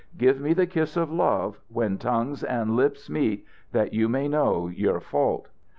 Give me the kiss of love, when tongues and lips meet, that you may know your fault."